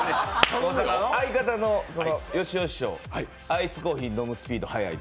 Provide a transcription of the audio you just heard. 相方のよしお師匠アイスコーヒー飲むスピード早い。